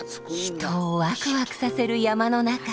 人をワクワクさせる山の中。